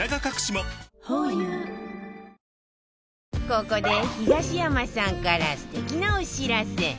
ここで東山さんから素敵なお知らせ